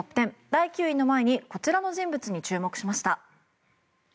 第９位の前にこちらの人物に注目しました。